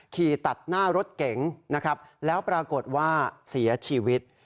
ขี่ตัดหน้ารถเก๋งนะครับแล้วปรากฏว่าเสียชีวิต